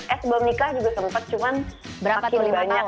eh sebelum nikah juga sempat cuma pake banyak